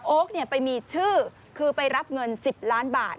ไปมีชื่อคือไปรับเงิน๑๐ล้านบาท